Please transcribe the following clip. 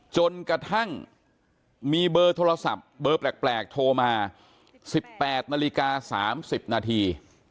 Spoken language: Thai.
จนกระทั่งมีเบอร์โทรศัพท์เบอร์แปลกโทรมา๑๘นาฬิกา๓๐นาที